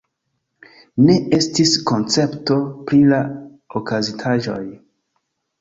Ne estis koncepto pri la okazintaĵoj.